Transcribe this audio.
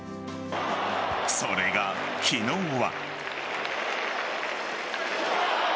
それが昨日は。